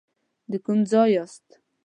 د کوم ځای یاست.